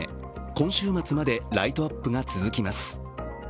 今週末までライトアップが続きます。